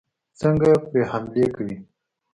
څنګه پرې حملې کوي.